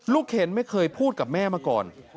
เคนไม่เคยพูดกับแม่มาก่อน